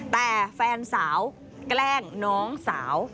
แต่แฟนสาวแกล้งน้องสาว